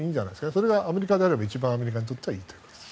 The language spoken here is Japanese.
それがアメリカであればアメリカにとっては一番いいということです。